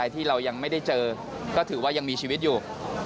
ที่เรายังไม่ได้เจอก็ถือว่ายังมีชีวิตอยู่